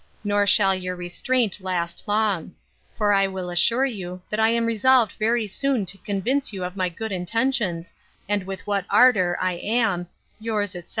Nor shall your restraint last long: for I will assure you, that I am resolved very soon to convince you of my good intentions, and with what ardour I am 'Yours, etc.